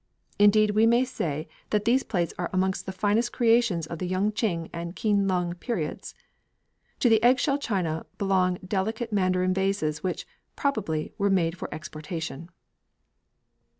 Indeed, we may say that these plates are amongst the very finest creations of the Yung ching and Keen lung periods. To the eggshell china belong the delicate Mandarin vases which, probably, were made for exportation.